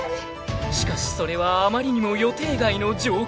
［しかしそれはあまりにも予定外の状況で］